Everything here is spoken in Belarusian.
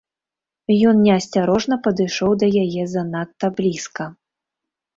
Ён неасцярожна падышоў да яе занадта блізка.